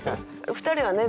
２人はね